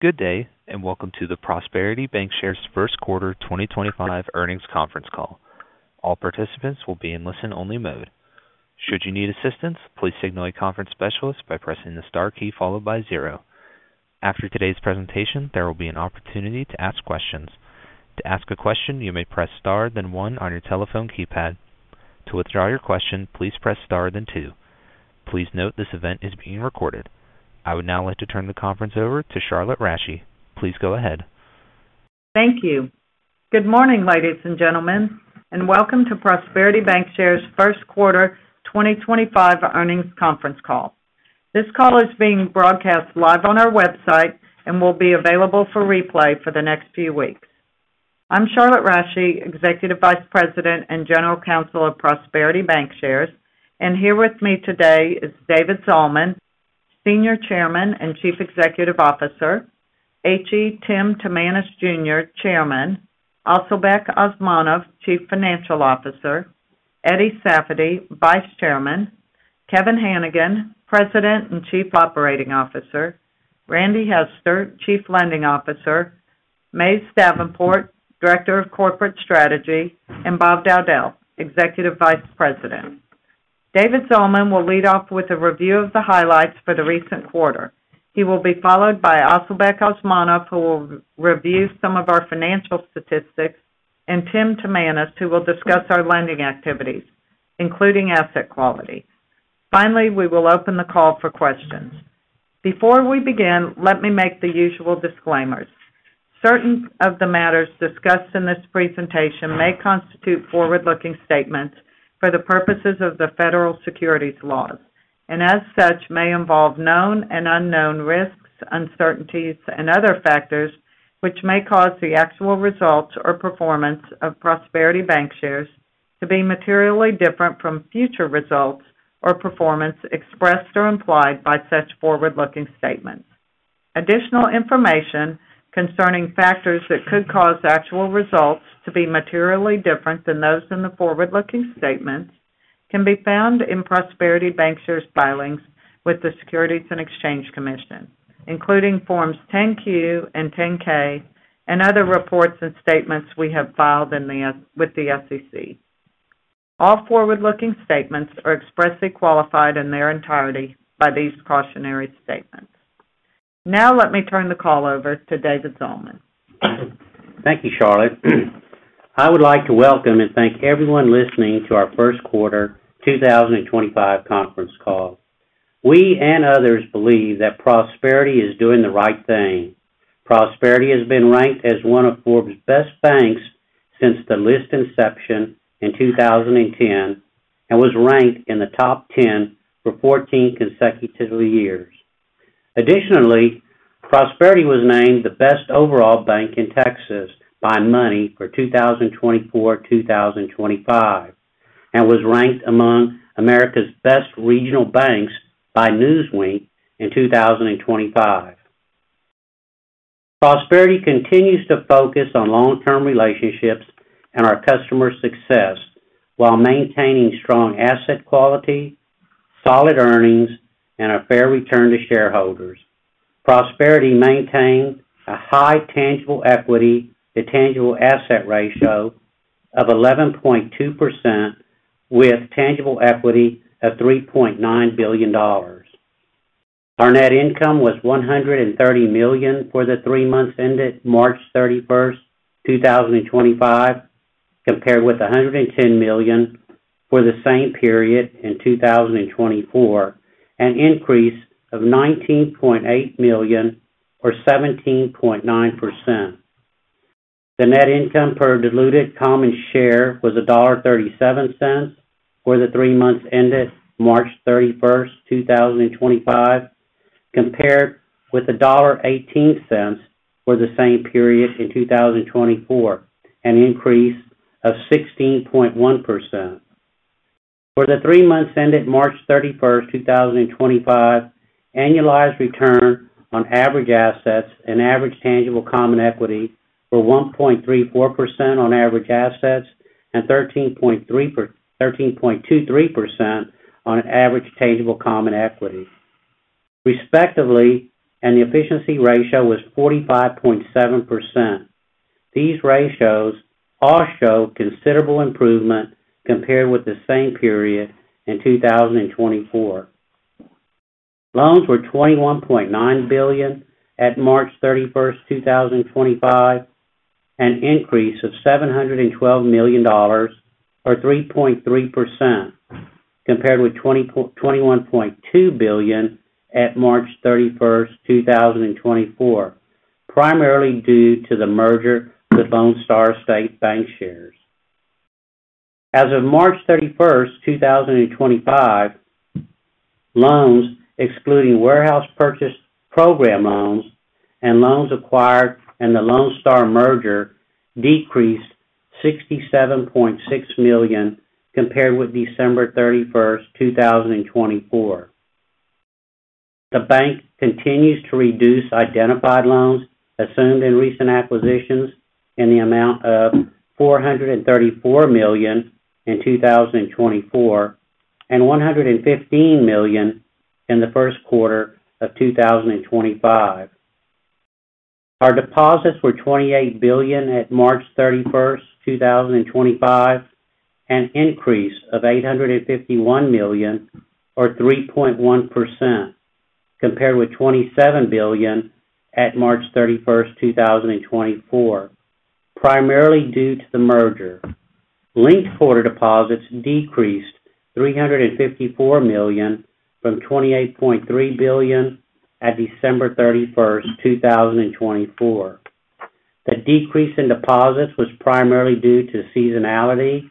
Good day, and welcome to the Prosperity Bancshares First Quarter 2025 earnings conference call. All participants will be in listen-only mode. Should you need assistance, please signal a conference specialist by pressing the star key followed by zero. After today's presentation, there will be an opportunity to ask questions. To ask a question, you may press star then one on your telephone keypad. To withdraw your question, please press star then two. Please note this event is being recorded. I would now like to turn the conference over to Charlotte Rasche. Please go ahead. Thank you. Good morning, ladies and gentlemen, and welcome to Prosperity Bancshares First Quarter 2025 earnings conference call. This call is being broadcast live on our website and will be available for replay for the next few weeks. I'm Charlotte Rasche, Executive Vice President and General Counsel of Prosperity Bancshares, and here with me today is David Zalman, Senior Chairman and Chief Executive Officer, H.E. Timanus Jr., Chairman, Asylbek Osmonov, Chief Financial Officer, Eddie Safady, Vice Chairman, Kevin Hanigan, President and Chief Operating Officer, Randy Hester, Chief Lending Officer, Mays Davenport, Director of Corporate Strategy, and Bob Dowdell, Executive Vice President. David Zalman will lead off with a review of the highlights for the recent quarter. He will be followed by Asylbek Osmonov, who will review some of our financial statistics, and Tim Timanus, who will discuss our lending activities, including asset quality. Finally, we will open the call for questions. Before we begin, let me make the usual disclaimers. Certain of the matters discussed in this presentation may constitute forward-looking statements for the purposes of the federal securities laws, and as such may involve known and unknown risks, uncertainties, and other factors which may cause the actual results or performance of Prosperity Bancshares to be materially different from future results or performance expressed or implied by such forward-looking statements. Additional information concerning factors that could cause actual results to be materially different than those in the forward-looking statements can be found in Prosperity Bancshares filings with the Securities and Exchange Commission, including Forms 10Q and 10K, and other reports and statements we have filed with the SEC. All forward-looking statements are expressly qualified in their entirety by these cautionary statements. Now, let me turn the call over to David Zalman. Thank you, Charlotte. I would like to welcome and thank everyone listening to our First Quarter 2025 conference call. We and others believe that Prosperity is doing the right thing. Prosperity has been ranked as one of Forbes' Best Banks since the list inception in 2010 and was ranked in the top 10 for 14 consecutive years. Additionally, Prosperity was named the best overall bank in Texas by Money for 2024-2025 and was ranked among America's best regional banks by Newsweek in 2025. Prosperity continues to focus on long-term relationships and our customer success while maintaining strong asset quality, solid earnings, and a fair return to shareholders. Prosperity maintained a high tangible equity to tangible asset ratio of 11.2% with tangible equity of $3.9 billion. Our net income was $130 million for the three months ended March 31, 2025, compared with $110 million for the same period in 2024, an increase of $19.8 million or 17.9%. The net income per diluted common share was $1.37 for the three months ended March 31, 2025, compared with $1.18 for the same period in 2024, an increase of 16.1%. For the three months ended March 31, 2025, annualized return on average assets and average tangible common equity were 1.34% on average assets and 13.23% on average tangible common equity, respectively, and the efficiency ratio was 45.7%. These ratios all show considerable improvement compared with the same period in 2024. Loans were $21.9 billion at March 31, 2025, an increase of $712 million or 3.3%, compared with $21.2 billion at March 31, 2024, primarily due to the merger with Lone Star State Bancshares. As of March 31, 2025, loans, excluding warehouse purchase program loans and loans acquired in the Lone Star merger, decreased $67.6 million compared with December 31, 2024. The bank continues to reduce identified loans assumed in recent acquisitions in the amount of $434 million in 2024 and $115 million in the first quarter of 2025. Our deposits were $28 billion at March 31, 2025, an increase of $851 million or 3.1%, compared with $27 billion at March 31, 2024, primarily due to the merger. Linked quarter deposits decreased $354 million from $28.3 billion at December 31, 2024. The decrease in deposits was primarily due to seasonality.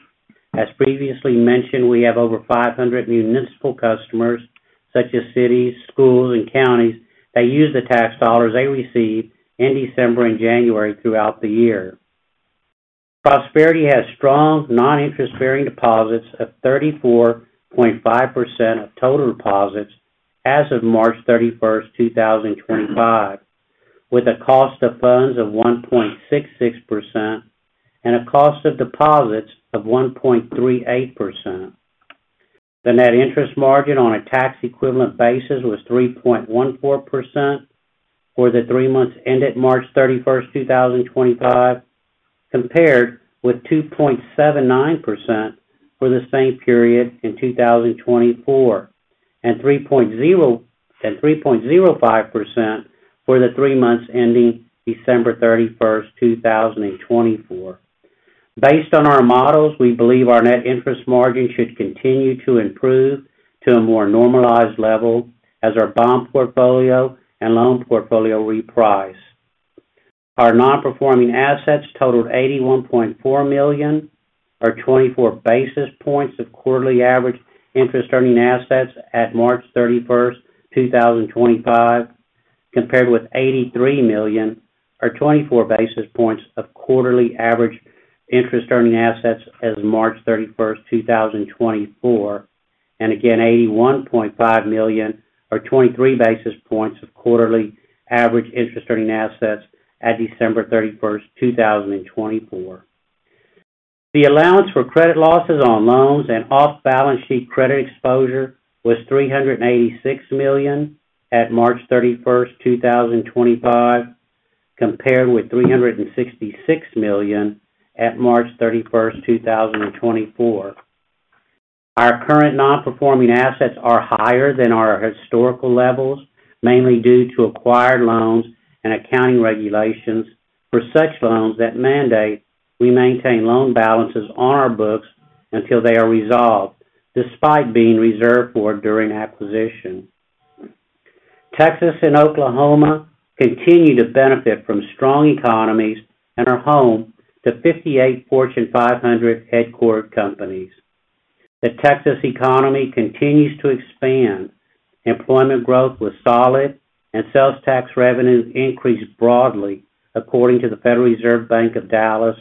As previously mentioned, we have over 500 municipal customers, such as cities, schools, and counties, that use the tax dollars they receive in December and January throughout the year. Prosperity has strong non-interest-bearing deposits of 34.5% of total deposits as of March 31, 2025, with a cost of funds of 1.66% and a cost of deposits of 1.38%. The net interest margin on a tax-equivalent basis was 3.14% for the three months ended March 31, 2025, compared with 2.79% for the same period in 2024, and 3.05% for the three months ending December 31, 2024. Based on our models, we believe our net interest margin should continue to improve to a more normalized level as our bond portfolio and loan portfolio reprice. Our non-performing assets totaled $81.4 million, or 24 basis points of quarterly average interest-earning assets at March 31, 2025, compared with $83 million, or 24 basis points of quarterly average interest-earning assets as of March 31, 2024, and again $81.5 million, or 23 basis points of quarterly average interest-earning assets at December 31, 2024. The allowance for credit losses on loans and off-balance sheet credit exposure was $386 million at March 31, 2025, compared with $366 million at March 31, 2024. Our current non-performing assets are higher than our historical levels, mainly due to acquired loans and accounting regulations for such loans that mandate we maintain loan balances on our books until they are resolved, despite being reserved for during acquisition. Texas and Oklahoma continue to benefit from strong economies and are home to 58 Fortune 500 headquartered companies. The Texas economy continues to expand. Employment growth was solid, and sales tax revenue increased broadly, according to the Federal Reserve Bank of Dallas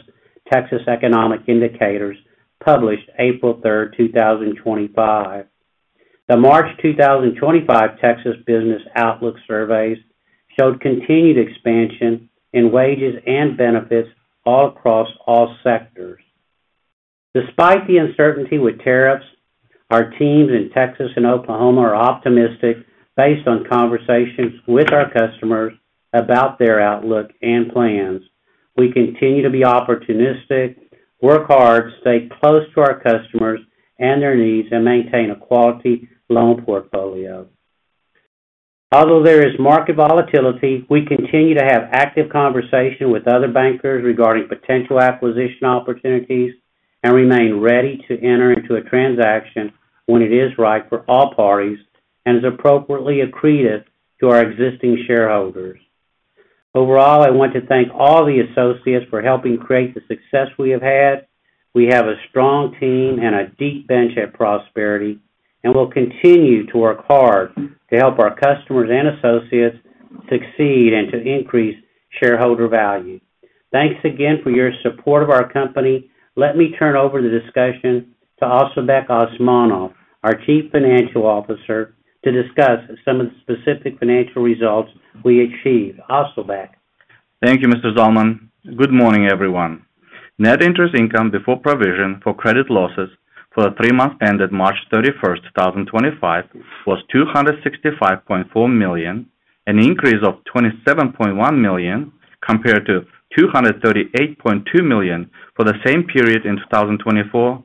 Texas Economic Indicators, published April 3, 2025. The March 2025 Texas Business Outlook surveys showed continued expansion in wages and benefits all across all sectors. Despite the uncertainty with tariffs, our teams in Texas and Oklahoma are optimistic based on conversations with our customers about their outlook and plans. We continue to be opportunistic, work hard, stay close to our customers and their needs, and maintain a quality loan portfolio. Although there is market volatility, we continue to have active conversations with other bankers regarding potential acquisition opportunities and remain ready to enter into a transaction when it is right for all parties and is appropriately accretive to our existing shareholders. Overall, I want to thank all the associates for helping create the success we have had. We have a strong team and a deep bench at Prosperity, and we'll continue to work hard to help our customers and associates succeed and to increase shareholder value. Thanks again for your support of our company. Let me turn over the discussion to Asylbek Osmonov, our Chief Financial Officer, to discuss some of the specific financial results we achieved. Asylbek. Thank you, Mr. Zalman. Good morning, everyone. Net interest income before provision for credit losses for the three months ended March 31, 2025, was $265.4 million, an increase of $27.1 million compared to $238.2 million for the same period in 2024,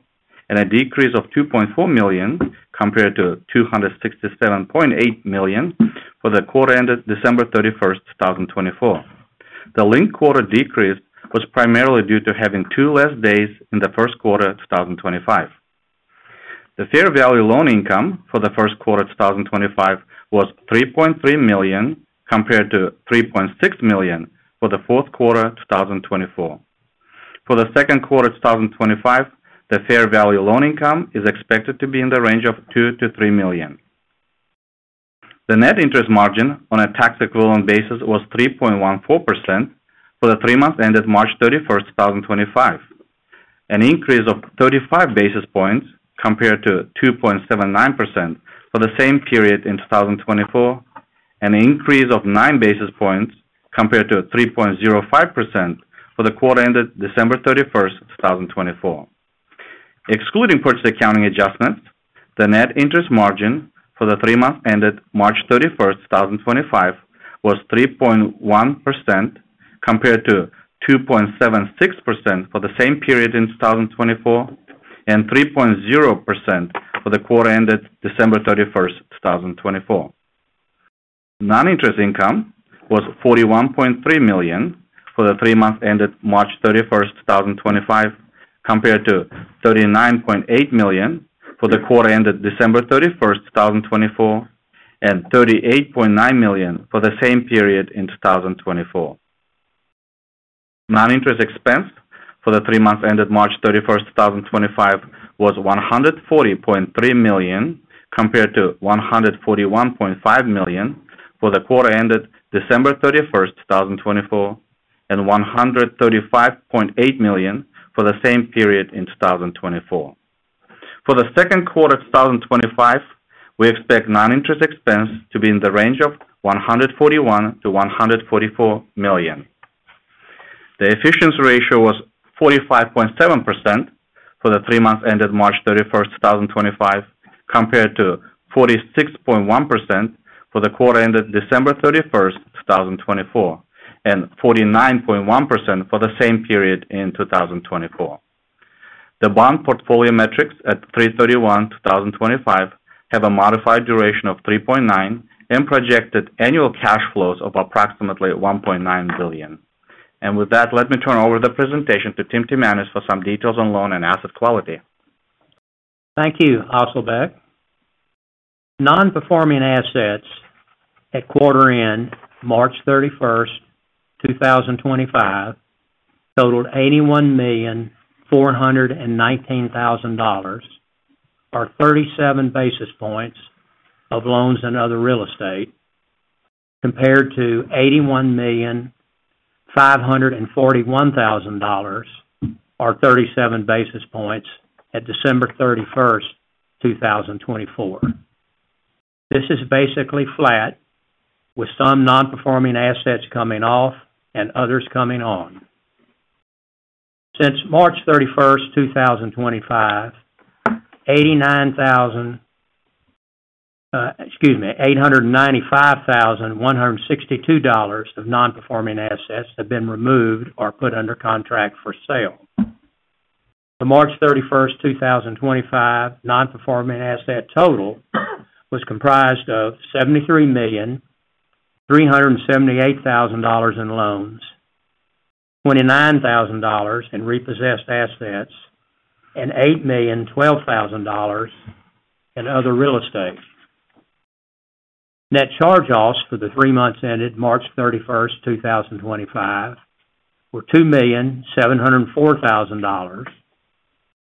and a decrease of $2.4 million compared to $267.8 million for the quarter ended December 31, 2024. The linked quarter decrease was primarily due to having two less days in the first quarter of 2025. The fair value loan income for the first quarter of 2025 was $3.3 million compared to $3.6 million for the fourth quarter of 2024. For the second quarter of 2025, the fair value loan income is expected to be in the range of $2-$3 million. The net interest margin on a tax-equivalent basis was 3.14% for the three months ended March 31, 2025, an increase of 35 basis points compared to 2.79% for the same period in 2024, and an increase of 9 basis points compared to 3.05% for the quarter ended December 31, 2024. Excluding purchase accounting adjustments, the net interest margin for the three months ended March 31, 2025, was 3.1% compared to 2.76% for the same period in 2024, and 3.0% for the quarter ended December 31, 2024. Non-interest income was $41.3 million for the three months ended March 31, 2025, compared to $39.8 million for the quarter ended December 31, 2024, and $38.9 million for the same period in 2024. Non-interest expense for the three months ended March 31, 2025, was $140.3 million compared to $141.5 million for the quarter ended December 31, 2024, and $135.8 million for the same period in 2024. For the second quarter of 2025, we expect non-interest expense to be in the range of $141-$144 million. The efficiency ratio was 45.7% for the three months ended March 31, 2025, compared to 46.1% for the quarter ended December 31, 2024, and 49.1% for the same period in 2024. The bond portfolio metrics at 3/31/2025 have a modified duration of 3.9 and projected annual cash flows of approximately $1.9 billion. Let me turn over the presentation to Tim Timanus for some details on loan and asset quality. Thank you, Asylbek. Non-performing assets at quarter end March 31, 2025, totaled $81,419,000 or 37 basis points of loans and other real estate, compared to $81,541,000 or 37 basis points at December 31, 2024. This is basically flat, with some non-performing assets coming off and others coming on. Since March 31, 2025, $89,162 of non-performing assets have been removed or put under contract for sale. The March 31, 2025 non-performing asset total was comprised of $73,378,000 in loans, $29,000 in repossessed assets, and $8,012,000 in other real estate. Net charge-offs for the three months ended March 31, 2025, were $2,704,000,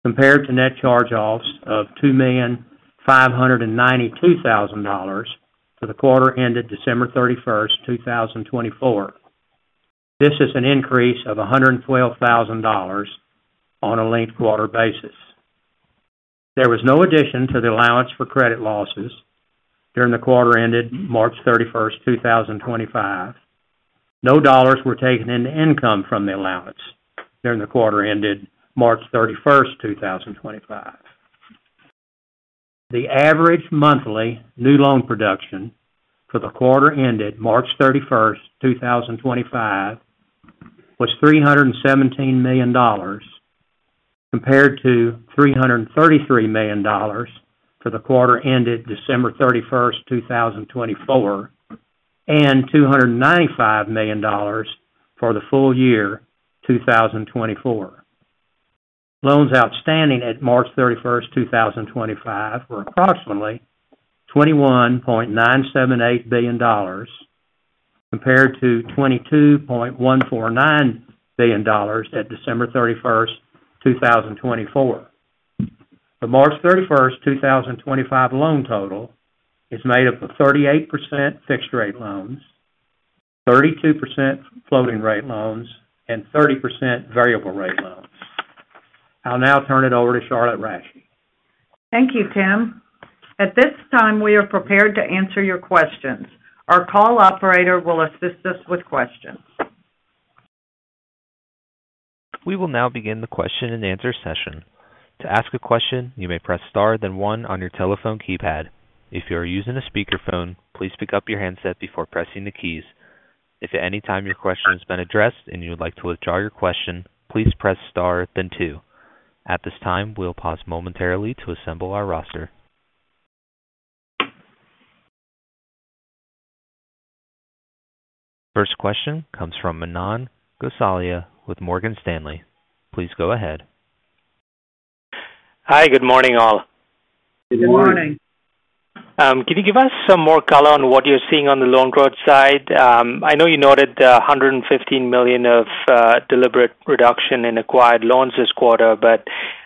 compared to net charge-offs of $2,592,000 for the quarter ended December 31, 2024. This is an increase of $112,000 on a linked quarter basis. There was no addition to the allowance for credit losses during the quarter ended March 31, 2025. No dollars were taken into income from the allowance during the quarter ended March 31, 2025. The average monthly new loan production for the quarter ended March 31, 2025, was $317 million, compared to $333 million for the quarter ended December 31, 2024, and $295 million for the full year 2024. Loans outstanding at March 31, 2025, were approximately $21.978 billion, compared to $22.149 billion at December 31, 2024. The March 31, 2025 loan total is made up of 38% fixed-rate loans, 32% floating-rate loans, and 30% variable-rate loans. I'll now turn it over to Charlotte Rasche. Thank you, Tim. At this time, we are prepared to answer your questions. Our call operator will assist us with questions. We will now begin the question-and-answer session. To ask a question, you may press star then one on your telephone keypad. If you are using a speakerphone, please pick up your handset before pressing the keys. If at any time your question has been addressed and you would like to withdraw your question, please press star then two. At this time, we'll pause momentarily to assemble our roster. First question comes from Manan Gosalia with Morgan Stanley. Please go ahead. Hi. Good morning, all. Good morning. Can you give us some more color on what you're seeing on the loan growth side? I know you noted the $115 million of deliberate reduction in acquired loans this quarter, but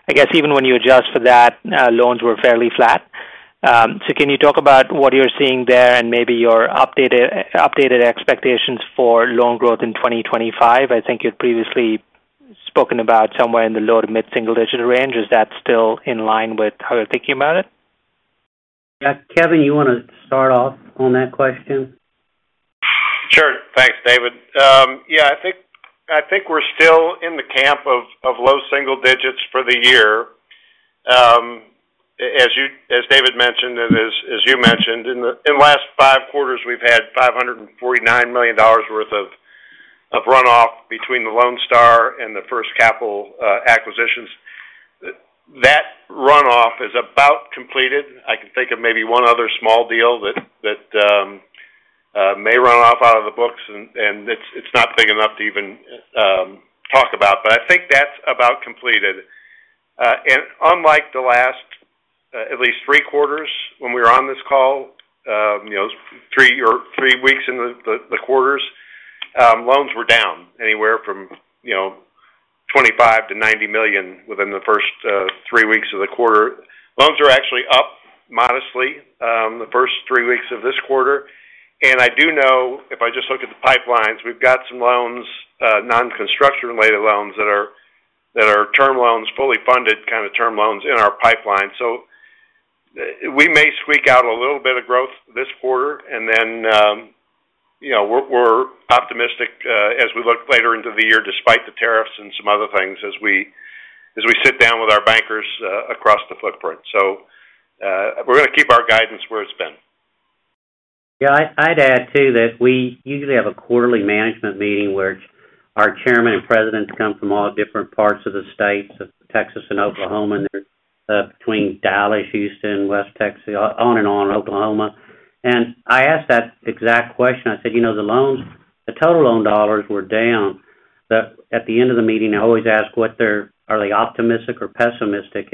I guess even when you adjust for that, loans were fairly flat. Can you talk about what you're seeing there and maybe your updated expectations for loan growth in 2025? I think you had previously spoken about somewhere in the low to mid-single-digit range. Is that still in line with how you're thinking about it? Yeah. Kevin, you want to start off on that question? Sure. Thanks, David. Yeah. I think we're still in the camp of low single digits for the year. As David mentioned and as you mentioned, in the last five quarters, we've had $549 million worth of runoff between the Lone Star and the First Capital acquisitions. That runoff is about completed. I can think of maybe one other small deal that may run off out of the books, and it's not big enough to even talk about. I think that's about completed. Unlike the last at least three quarters when we were on this call, three weeks in the quarters, loans were down anywhere from $25 million to $90 million within the first three weeks of the quarter. Loans are actually up modestly the first three weeks of this quarter. I do know, if I just look at the pipelines, we've got some non-construction-related loans that are term loans, fully funded kind of term loans in our pipeline. We may squeak out a little bit of growth this quarter, and then we're optimistic as we look later into the year despite the tariffs and some other things as we sit down with our bankers across the footprint. We're going to keep our guidance where it's been. Yeah. I'd add, too, that we usually have a quarterly management meeting where our chairmen and presidents come from all different parts of the states, of Texas and Oklahoma, and they're between Dallas, Houston, West Texas, on and on Oklahoma. I asked that exact question. I said, "The total loan dollars were down." At the end of the meeting, I always ask, "Are they optimistic or pessimistic?"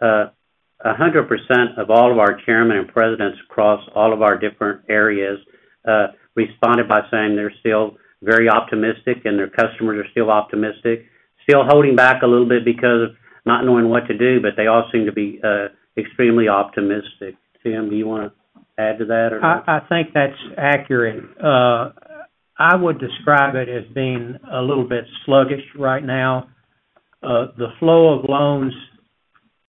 100% of all of our chairmen and presidents across all of our different areas responded by saying they're still very optimistic and their customers are still optimistic. Still holding back a little bit because of not knowing what to do, but they all seem to be extremely optimistic. Tim, do you want to add to that or no? I think that's accurate. I would describe it as being a little bit sluggish right now. The flow of loans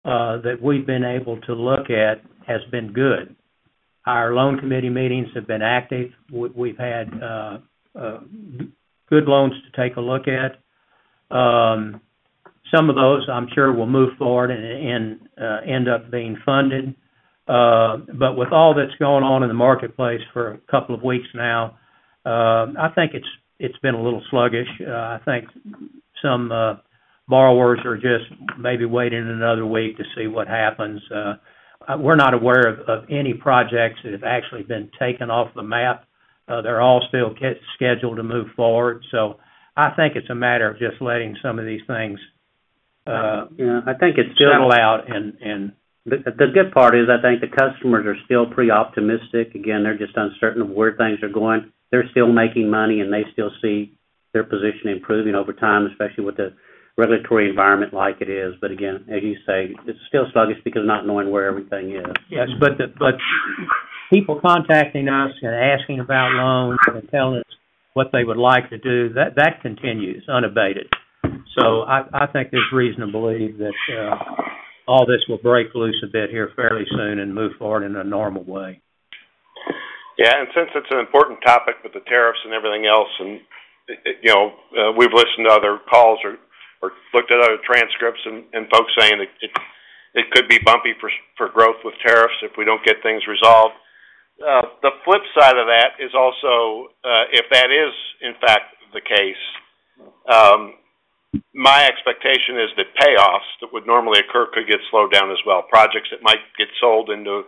that we've been able to look at has been good. Our loan committee meetings have been active. We've had good loans to take a look at. Some of those, I'm sure, will move forward and end up being funded. With all that's going on in the marketplace for a couple of weeks now, I think it's been a little sluggish. I think some borrowers are just maybe waiting another week to see what happens. We're not aware of any projects that have actually been taken off the map. They're all still scheduled to move forward. I think it's a matter of just letting some of these things settle out. The good part is I think the customers are still pretty optimistic. Again, they're just uncertain of where things are going. They're still making money, and they still see their position improving over time, especially with the regulatory environment like it is. Again, as you say, it's still sluggish because of not knowing where everything is. Yes. People contacting us and asking about loans and telling us what they would like to do, that continues unabated. I think it's reasonable to believe that all this will break loose a bit here fairly soon and move forward in a normal way. Yeah. Since it's an important topic with the tariffs and everything else, we've listened to other calls or looked at other transcripts and folks saying it could be bumpy for growth with tariffs if we don't get things resolved. The flip side of that is also, if that is in fact the case, my expectation is that payoffs that would normally occur could get slowed down as well. Projects that might get sold into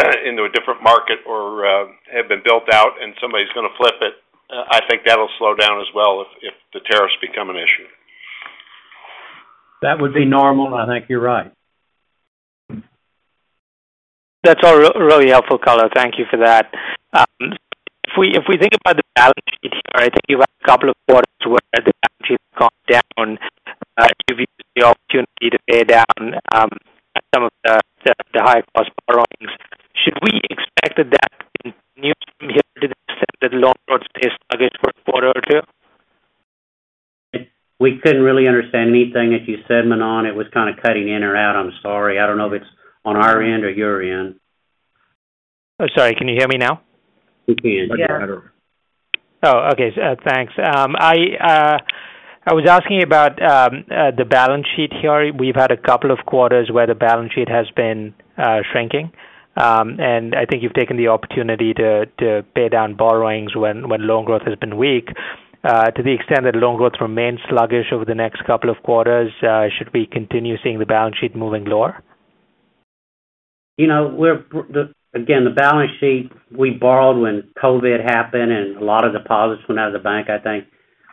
a different market or have been built out and somebody's going to flip it, I think that'll slow down as well if the tariffs become an issue. That would be normal. I think you're right. That's all really helpful, color. Thank you for that. If we think about the balance sheet, I think you've had a couple of quarters where the balance sheet has gone down. You've used the opportunity to pay down some of the high-cost borrowings. Should we expect that that continues from here to the extent that loan growth stays sluggish for a quarter or two? We couldn't really understand anything. As you said, Manan, it was kind of cutting in or out. I'm sorry. I don't know if it's on our end or your end. I'm sorry. Can you hear me now? We can. You're better. Oh, okay. Thanks. I was asking you about the balance sheet here. We've had a couple of quarters where the balance sheet has been shrinking. And I think you've taken the opportunity to pay down borrowings when loan growth has been weak. To the extent that loan growth remains sluggish over the next couple of quarters, should we continue seeing the balance sheet moving lower? Again, the balance sheet we borrowed when COVID happened and a lot of deposits went out of the bank, I think.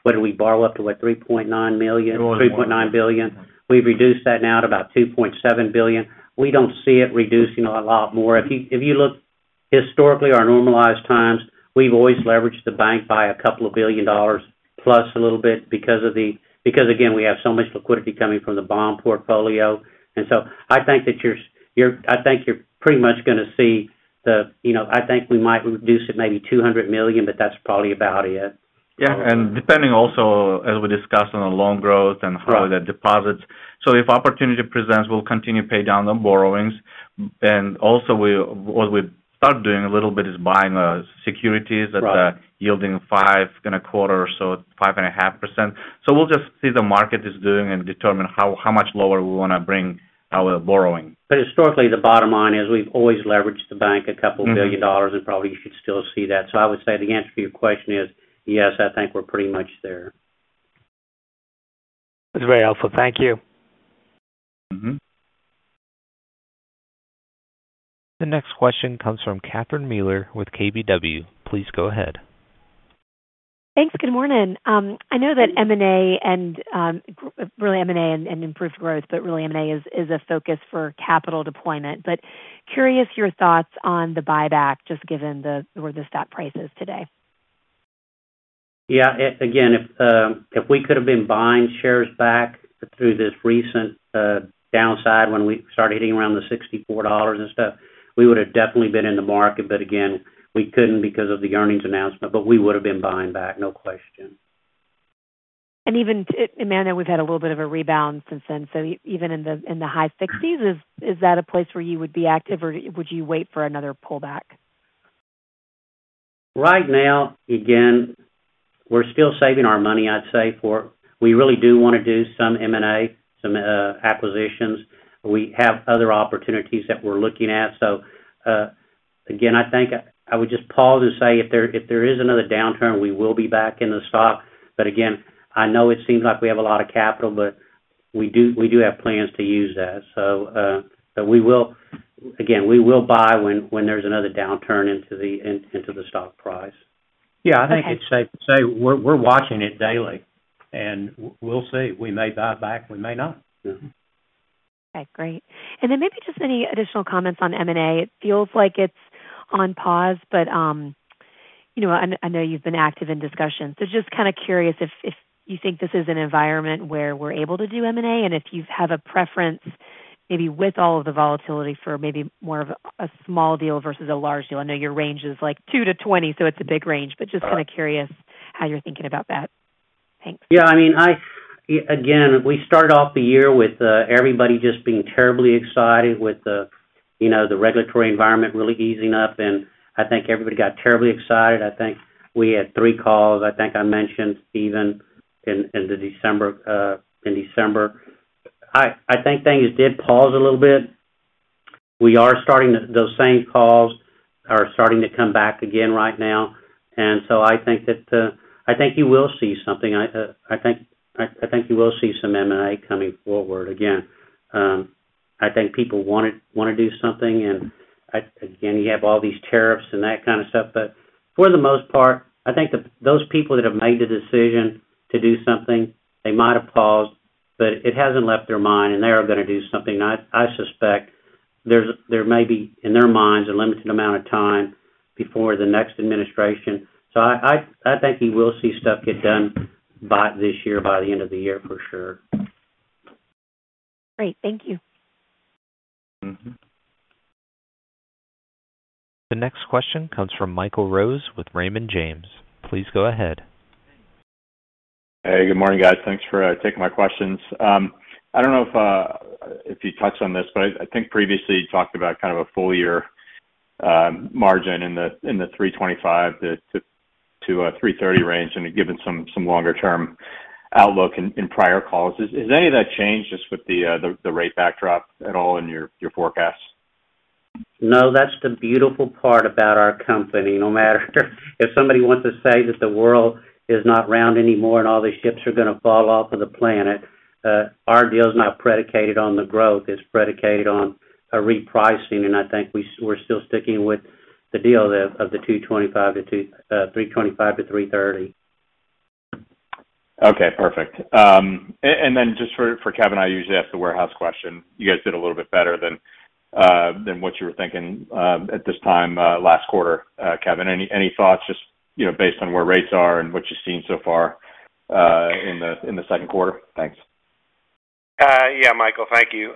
What did we borrow up to? What, $3.9 million? $3.9. $3.9 billion. We've reduced that now to about $2.7 billion. We don't see it reducing a lot more. If you look historically or normalized times, we've always leveraged the bank by a couple of billion dollars plus a little bit because, again, we have so much liquidity coming from the bond portfolio. I think you're pretty much going to see the I think we might reduce it maybe $200 million, but that's probably about it. Yeah. Depending also, as we discussed, on the loan growth and how the deposits, if opportunity presents, we'll continue to pay down the borrowings. Also, what we start doing a little bit is buying securities that are yielding 5.25% or so, 5.5%. We'll just see what the market is doing and determine how much lower we want to bring our borrowing. Historically, the bottom line is we've always leveraged the bank a couple of billion dollars, and probably you should still see that. I would say the answer to your question is yes, I think we're pretty much there. That's very helpful. Thank you. The next question comes from Catherine Mealor with KBW. Please go ahead. Thanks. Good morning. I know that M&A and really M&A and improved growth, but really M&A is a focus for capital deployment. Curious your thoughts on the buyback just given where the stock price is today. Yeah. Again, if we could have been buying shares back through this recent downside when we started hitting around the $64 and stuff, we would have definitely been in the market. Again, we could not because of the earnings announcement, but we would have been buying back, no question. Even at, we've had a little bit of a rebound since then. Even in the high 60s, is that a place where you would be active, or would you wait for another pullback? Right now, again, we're still saving our money, I'd say, for we really do want to do some M&A, some acquisitions. We have other opportunities that we're looking at. I think I would just pause and say if there is another downturn, we will be back in the stock. Again, I know it seems like we have a lot of capital, but we do have plans to use that. We will buy when there's another downturn into the stock price. Yeah. I think it's safe to say we're watching it daily. We'll see. We may buy back. We may not. Okay. Great. Maybe just any additional comments on M&A. It feels like it's on pause, but I know you've been active in discussions. Just kind of curious if you think this is an environment where we're able to do M&A and if you have a preference maybe with all of the volatility for maybe more of a small deal versus a large deal. I know your range is like 2-20, so it's a big range, but just kind of curious how you're thinking about that. Thanks. Yeah. I mean, again, we started off the year with everybody just being terribly excited with the regulatory environment really easing up. I think everybody got terribly excited. I think we had three calls. I think I mentioned Steven in December. I think things did pause a little bit. We are starting to see those same calls are starting to come back again right now. I think you will see something. I think you will see some M&A coming forward again. I think people want to do something. You have all these tariffs and that kind of stuff. For the most part, I think those people that have made the decision to do something, they might have paused, but it hasn't left their mind, and they are going to do something. I suspect there may be, in their minds, a limited amount of time before the next administration. I think you will see stuff get done by this year, by the end of the year, for sure. Great. Thank you. The next question comes from Michael Rose with Raymond James. Please go ahead. Hey. Good morning, guys. Thanks for taking my questions. I don't know if you touched on this, but I think previously you talked about kind of a full year margin in the 325-330 range and given some longer-term outlook in prior calls. Has any of that changed just with the rate backdrop at all in your forecasts? No. That's the beautiful part about our company. No matter if somebody wants to say that the world is not round anymore and all the ships are going to fall off of the planet, our deal is not predicated on the growth. It's predicated on a repricing. I think we're still sticking with the deal of the 225-325-330. Okay. Perfect. Just for Kevin, I usually ask the warehouse question. You guys did a little bit better than what you were thinking at this time last quarter, Kevin. Any thoughts just based on where rates are and what you've seen so far in the second quarter? Thanks. Yeah, Michael, thank you.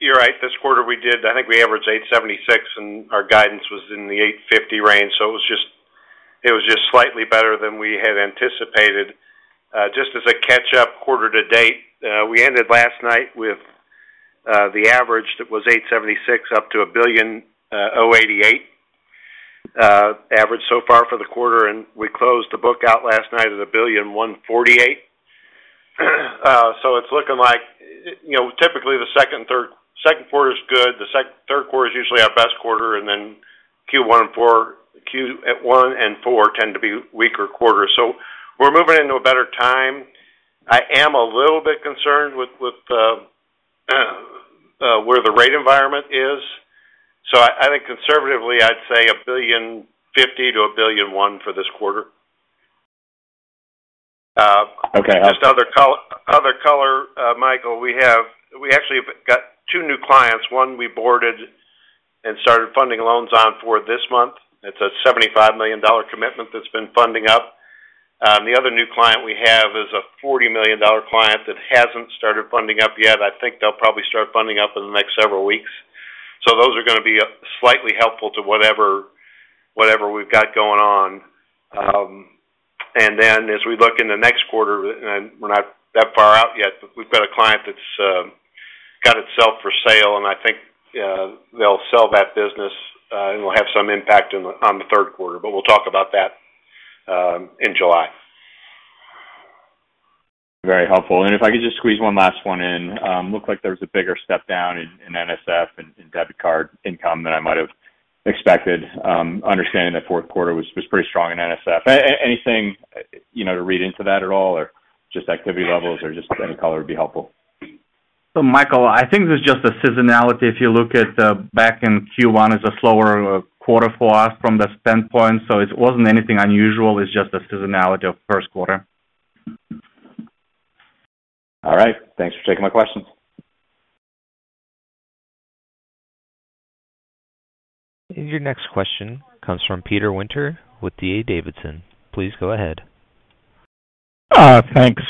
You're right. This quarter, we did, I think we averaged 876, and our guidance was in the 850 range. It was just slightly better than we had anticipated. Just as a catch-up, quarter to date, we ended last night with the average that was 876 up to $1.088 billion average so far for the quarter. We closed the book out last night at $1.148 billion. It is looking like typically the second quarter is good. The third quarter is usually our best quarter. Q1 and Q4 tend to be weaker quarters. We are moving into a better time. I am a little bit concerned with where the rate environment is. I think conservatively, I'd say $1.05 billion-$1.1 billion for this quarter. Okay. I'll. Just other color, Michael, we actually got two new clients. One we boarded and started funding loans on for this month. It's a $75 million commitment that's been funding up. The other new client we have is a $40 million client that hasn't started funding up yet. I think they'll probably start funding up in the next several weeks. Those are going to be slightly helpful to whatever we've got going on. As we look in the next quarter, and we're not that far out yet, we've got a client that's got itself for sale. I think they'll sell that business, and we'll have some impact on the third quarter. We'll talk about that in July. Very helpful. If I could just squeeze one last one in, looks like there was a bigger step down in NSF and debit card income than I might have expected, understanding that fourth quarter was pretty strong in NSF. Anything to read into that at all, or just activity levels, or just any color would be helpful? Michael, I think it was just a seasonality. If you look at back in Q1, it's a slower quarter for us from the standpoint. It wasn't anything unusual. It's just a seasonality of first quarter. All right. Thanks for taking my questions. Your next question comes from Peter Winter with D.A. Davidson. Please go ahead. Thanks.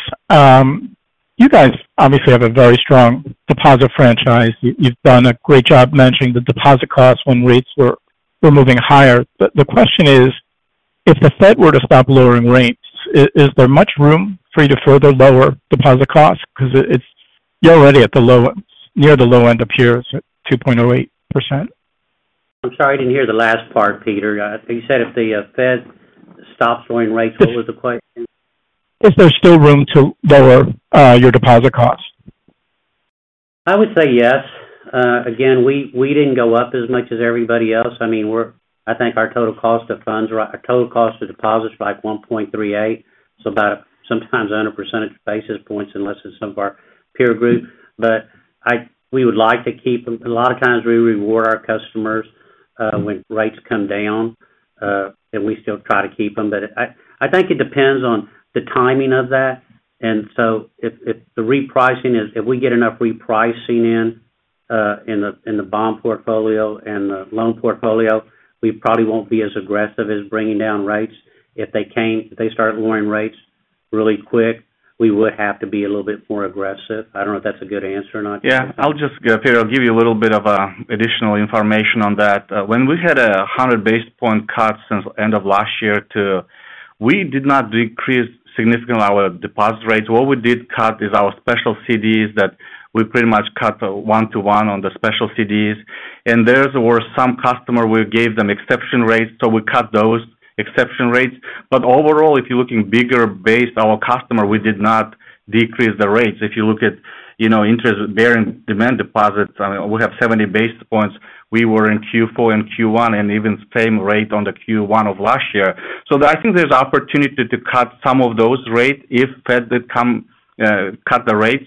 You guys obviously have a very strong deposit franchise. You've done a great job mentioning the deposit cost when rates were moving higher. The question is, if the Fed were to stop lowering rates, is there much room for you to further lower deposit costs? Because you're already at the low end, near the low end of peers, 2.08%. I'm sorry. I didn't hear the last part, Peter. You said if the Fed stops lowering rates, what was the question? Is there still room to lower your deposit costs? I would say yes. Again, we didn't go up as much as everybody else. I mean, I think our total cost of funds, our total cost of deposits is like 1.38. About sometimes on a percentage basis points unless it's some of our peer group. We would like to keep them. A lot of times we reward our customers when rates come down, and we still try to keep them. I think it depends on the timing of that. If the repricing is if we get enough repricing in the bond portfolio and the loan portfolio, we probably won't be as aggressive as bringing down rates. If they start lowering rates really quick, we would have to be a little bit more aggressive. I don't know if that's a good answer or not. Yeah. I'll just go, Peter. I'll give you a little bit of additional information on that. When we had a 100 basis point cut since the end of last year too, we did not decrease significantly our deposit rates. What we did cut is our special CDs that we pretty much cut one-to-one on the special CDs. And there were some customers we gave them exception rates. We cut those exception rates. Overall, if you're looking bigger based on our customer, we did not decrease the rates. If you look at interest-bearing demand deposits, we have 70 basis points. We were in Q4 and Q1 and even same rate on the Q1 of last year. I think there's opportunity to cut some of those rates if the Fed cut the rates.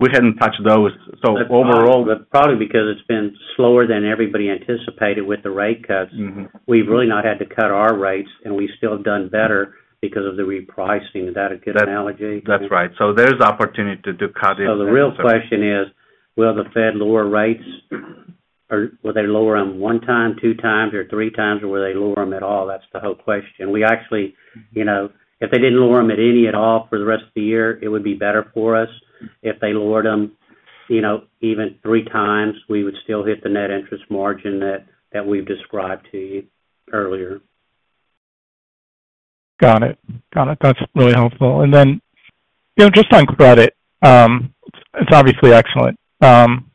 We hadn't touched those. Overall. That's probably because it's been slower than everybody anticipated with the rate cuts. We've really not had to cut our rates, and we still have done better because of the repricing. Is that a good analogy? That's right. There is opportunity to cut it. The real question is, will the Fed lower rates, or will they lower them one time, two times, or three times, or will they lower them at all? That's the whole question. Actually, if they didn't lower them at all for the rest of the year, it would be better for us. If they lowered them even three times, we would still hit the net interest margin that we've described to you earlier. Got it. Got it. That's really helpful. Just on credit, it's obviously excellent.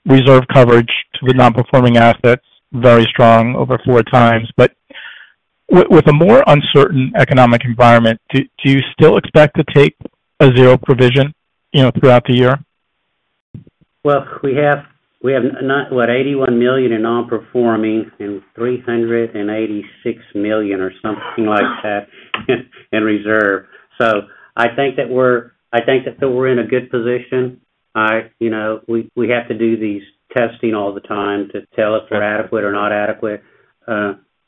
Reserve coverage to the non-performing assets, very strong, over four times. With a more uncertain economic environment, do you still expect to take a zero provision throughout the year? We have what, $81 million in non-performing and $386 million or something like that in reserve. I think that we're in a good position. We have to do these testing all the time to tell if we're adequate or not adequate.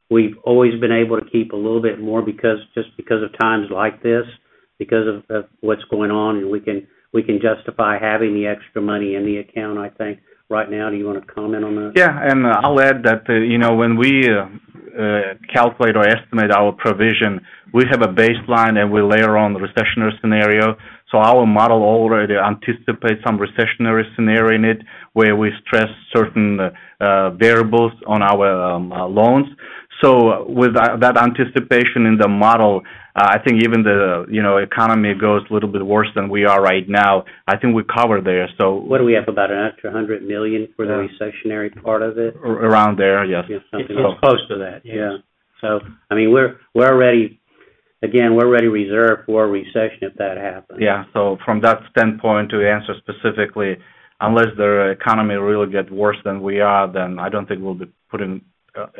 We've always been able to keep a little bit more just because of times like this, because of what's going on, and we can justify having the extra money in the account, I think. Right now, do you want to comment on that? Yeah. I'll add that when we calculate or estimate our provision, we have a baseline, and we layer on the recessionary scenario. Our model already anticipates some recessionary scenario in it where we stress certain variables on our loans. With that anticipation in the model, I think even if the economy goes a little bit worse than we are right now, I think we cover there. What do we have about an extra $100 million for the recessionary part of it? Around there, yes. Yeah. Something like that. Close to that, yes. I mean, we're already, again, we're already reserved for a recession if that happens. Yeah. From that standpoint, to answer specifically, unless the economy really gets worse than we are, then I don't think we'll be putting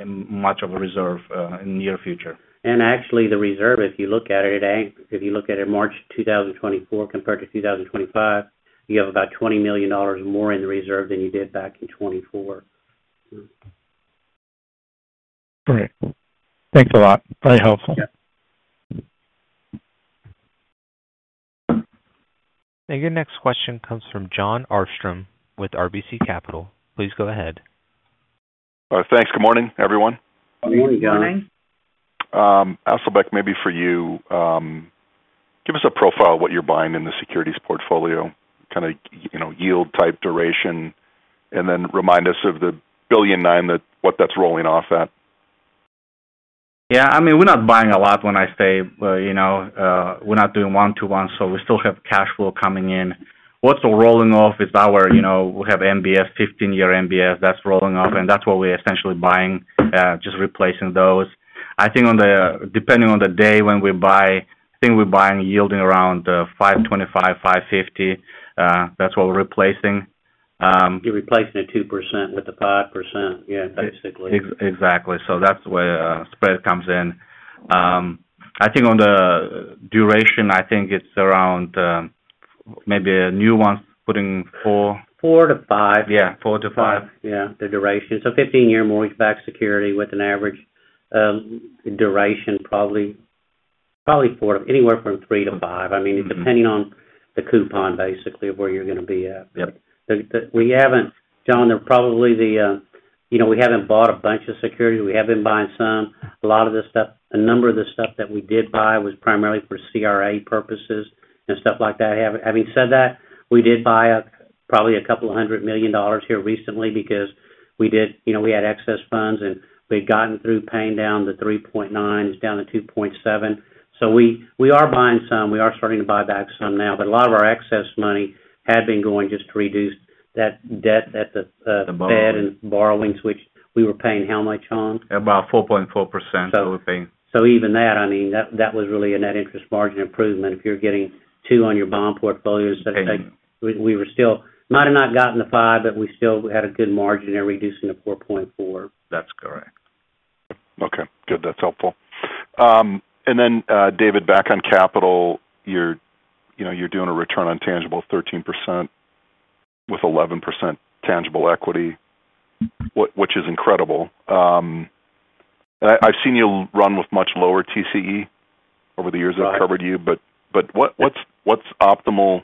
much of a reserve in the near future. Actually, the reserve, if you look at it, if you look at March 2024 compared to 2025, you have about $20 million more in the reserve than you did back in 2024. Great. Thanks a lot. Very helpful. Yeah. Your next question comes from Jon Arfstrom with RBC Capital. Please go ahead. Thanks. Good morning, everyone. Good morning, Jon. Good morning. Asylbek, maybe for you, give us a profile of what you're buying in the securities portfolio, kind of yield type, duration, and then remind us of the $1.9 billion, what that's rolling off at. Yeah. I mean, we're not buying a lot when I say we're not doing one-to-one, so we still have cash flow coming in. What's rolling off is our we have 15-year MBS that's rolling off, and that's what we're essentially buying, just replacing those. I think depending on the day when we buy, I think we're buying yielding around 5.25, 5.50. That's what we're replacing. You're replacing it 2% with the 5%, yeah, basically. Exactly. That's where spread comes in. I think on the duration, I think it's around maybe a new one's putting four. Four to five. Yeah. Four to five. Yeah. The duration. So 15-year mortgage-backed security with an average duration probably anywhere from three to five. I mean, depending on the coupon, basically, of where you're going to be at. We haven't, Jon, they're probably the we haven't bought a bunch of securities. We have been buying some. A lot of the stuff, a number of the stuff that we did buy was primarily for CRA purposes and stuff like that. Having said that, we did buy probably a couple of hundred million dollars here recently because we had excess funds, and we had gotten through paying down the 3.9s, down to 2.7. We are buying some. We are starting to buy back some now. A lot of our excess money had been going just to reduce that debt at the Fed and borrowings, which we were paying how much on? About 4.4% that we're paying. Even that, I mean, that was really a net interest margin improvement. If you're getting two on your bond portfolio, instead of saying we still might have not gotten the five, but we still had a good margin and reducing to 4.4. That's correct. Okay. Good. That's helpful. David, back on capital, you're doing a return on tangible 13% with 11% tangible equity, which is incredible. I've seen you run with much lower TCE over the years I've covered you. What's optimal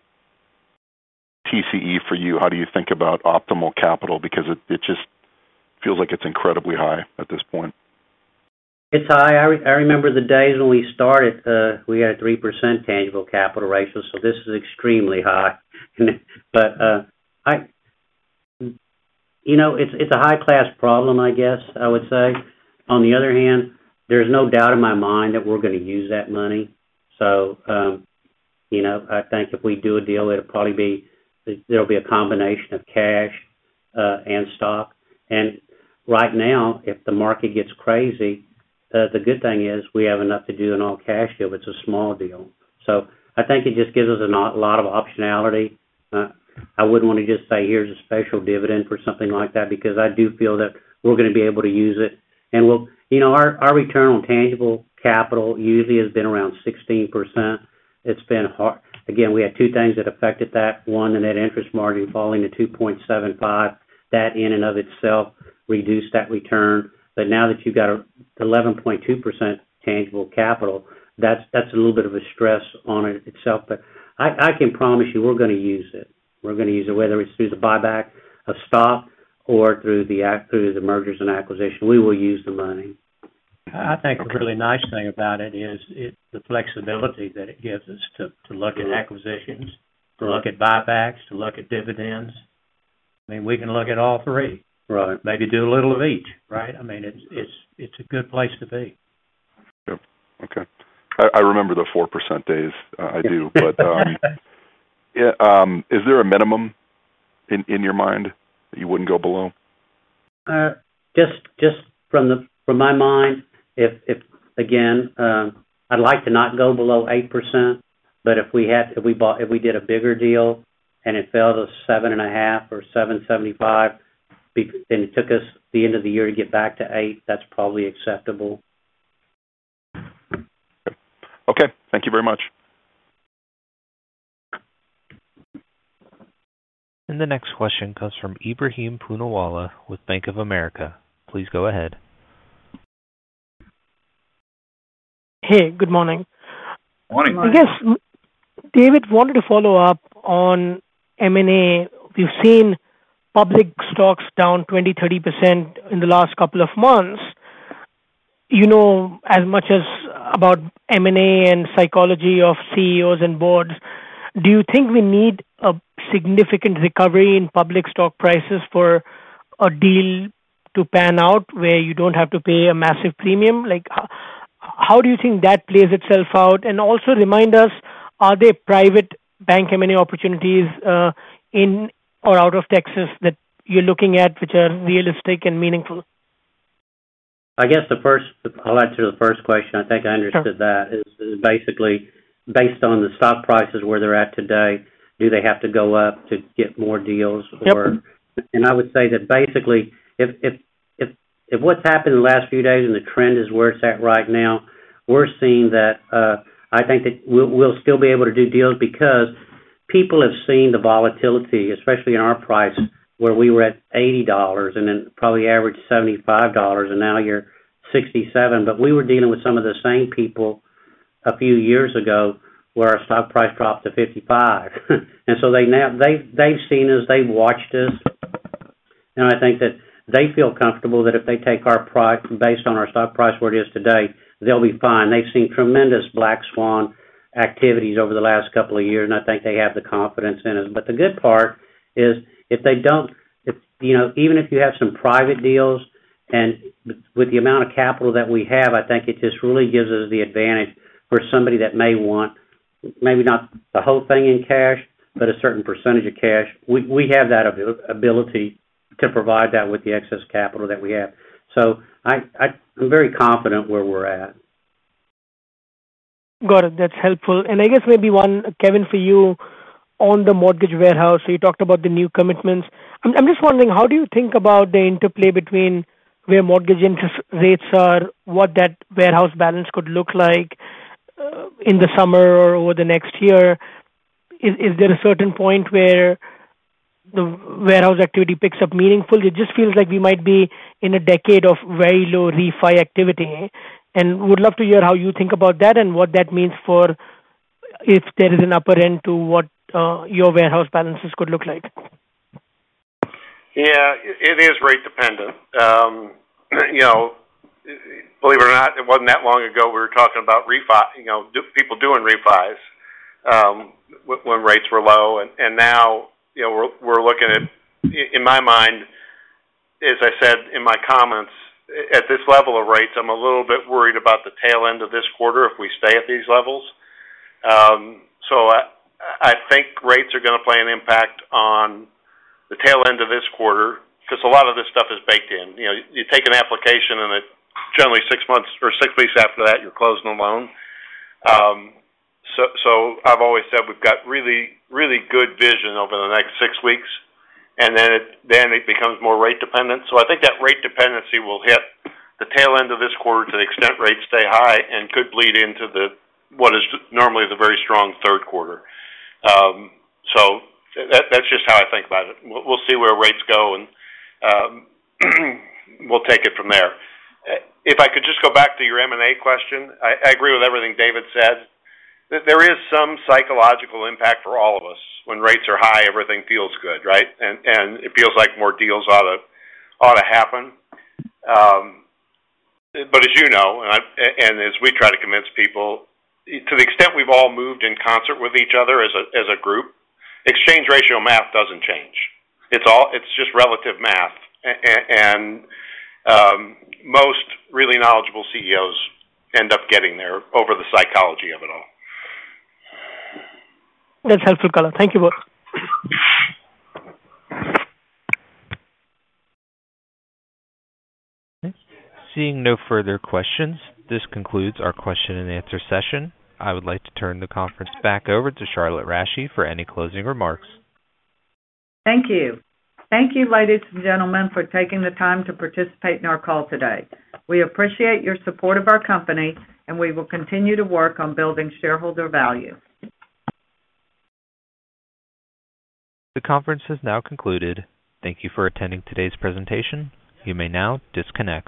TCE for you? How do you think about optimal capital? It just feels like it's incredibly high at this point. It's high. I remember the days when we started, we had a 3% tangible capital ratio. This is extremely high. It is a high-class problem, I guess, I would say. On the other hand, there is no doubt in my mind that we are going to use that money. I think if we do a deal, it will probably be a combination of cash and stock. Right now, if the market gets crazy, the good thing is we have enough to do an all cash deal. It is a small deal. I think it just gives us a lot of optionality. I would not want to just say, "Here is a special dividend for something like that," because I do feel that we are going to be able to use it. Our return on tangible capital usually has been around 16%. It has been hard. Again, we had two things that affected that. One, the net interest margin falling to 2.75. That in and of itself reduced that return. Now that you've got 11.2% tangible capital, that's a little bit of a stress on itself. I can promise you we're going to use it. We're going to use it, whether it's through the buyback of stock or through the mergers and acquisitions. We will use the money. I think the really nice thing about it is the flexibility that it gives us to look at acquisitions, to look at buybacks, to look at dividends. I mean, we can look at all three, maybe do a little of each, right? I mean, it's a good place to be. Sure. Okay. I remember the 4% days. I do. Is there a minimum in your mind that you wouldn't go below? Just from my mind, again, I'd like to not go below 8%. If we did a bigger deal and it fell to 7.5% or 7.75%, then it took us the end of the year to get back to 8%. That's probably acceptable. Okay. Thank you very much. The next question comes from Ebrahim Poonawala with Bank of America. Please go ahead. Hey. Good morning. Morning. I guess, David, wanted to follow up on M&A. We've seen public stocks down 20-30% in the last couple of months. As much as about M&A and psychology of CEOs and boards, do you think we need a significant recovery in public stock prices for a deal to pan out where you don't have to pay a massive premium? How do you think that plays itself out? Also remind us, are there private bank M&A opportunities in or out of Texas that you're looking at which are realistic and meaningful? I guess I'll answer the first question. I think I understood that. It's basically based on the stock prices where they're at today, do they have to go up to get more deals? I would say that basically, if what's happened in the last few days and the trend is where it's at right now, we're seeing that I think that we'll still be able to do deals because people have seen the volatility, especially in our price, where we were at $80 and then probably averaged $75, and now you're $67. We were dealing with some of the same people a few years ago where our stock price dropped to $55. They have seen us. They have watched us. I think that they feel comfortable that if they take our price based on our stock price where it is today, they'll be fine. They've seen tremendous black swan activities over the last couple of years, and I think they have the confidence in us. The good part is if they don't, even if you have some private deals and with the amount of capital that we have, I think it just really gives us the advantage for somebody that may want maybe not the whole thing in cash, but a certain percentage of cash. We have that ability to provide that with the excess capital that we have. I am very confident where we're at. Got it. That's helpful. I guess maybe one, Kevin, for you on the mortgage warehouse. You talked about the new commitments. I'm just wondering, how do you think about the interplay between where mortgage interest rates are, what that warehouse balance could look like in the summer or over the next year? Is there a certain point where the warehouse activity picks up meaningfully? It just feels like we might be in a decade of very low refi activity. I would love to hear how you think about that and what that means for if there is an upper end to what your warehouse balances could look like. Yeah. It is rate dependent. Believe it or not, it wasn't that long ago we were talking about people doing refis when rates were low. Now we're looking at, in my mind, as I said in my comments, at this level of rates, I'm a little bit worried about the tail end of this quarter if we stay at these levels. I think rates are going to play an impact on the tail end of this quarter because a lot of this stuff is baked in. You take an application, and generally six months or six weeks after that, you're closing a loan. I've always said we've got really, really good vision over the next six weeks, and then it becomes more rate dependent. I think that rate dependency will hit the tail end of this quarter to the extent rates stay high and could bleed into what is normally the very strong third quarter. That is just how I think about it. We will see where rates go, and we will take it from there. If I could just go back to your M&A question, I agree with everything David said. There is some psychological impact for all of us. When rates are high, everything feels good, right? It feels like more deals ought to happen. As you know, and as we try to convince people, to the extent we have all moved in concert with each other as a group, exchange ratio math does not change. It is just relative math. Most really knowledgeable CEOs end up getting there over the psychology of it all. That's helpful, Kevin. Thank you both. Seeing no further questions, this concludes our question and answer session. I would like to turn the conference back over to Charlotte Rasche for any closing remarks. Thank you. Thank you, ladies and gentlemen, for taking the time to participate in our call today. We appreciate your support of our company, and we will continue to work on building shareholder value. The conference has now concluded. Thank you for attending today's presentation. You may now disconnect.